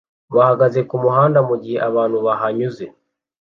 bahagaze kumuhanda mugihe abantu bahanyuze